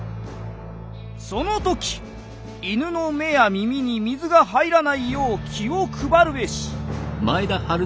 「その時犬の目や耳に水が入らないよう気を配るべし」。